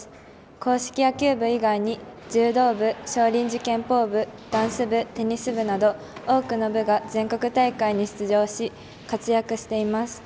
硬式野球部以外に柔道部少林寺拳法部、ダンス部テニス部など多くの部が全国大会に出場し活躍しています。